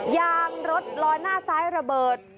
ยางรถลอยหน้าซ้ายระเบิด